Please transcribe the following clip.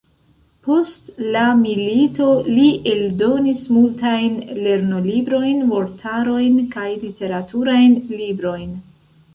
Post la milito li eldonis multajn lernolibrojn, vortarojn kaj literaturajn librojn.